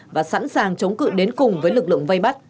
và sẵn sàng chống cự đến cùng với lực lượng vây bắt